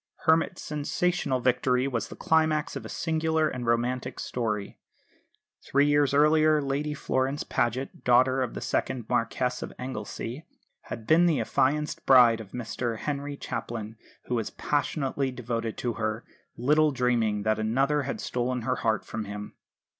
Hermit's sensational victory was the climax of a singular and romantic story. Three years earlier Lady Florence Paget, daughter of the second Marquess of Anglesey, had been the affianced bride of Mr Henry Chaplin, who was passionately devoted to her, little dreaming that another had stolen her heart from him.